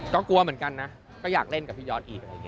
ก็กลัวเหมือนกันนะก็อยากเล่นกับพี่ยอดอีก